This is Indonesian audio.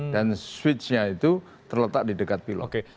dan switch nya itu terletak di dekat pilot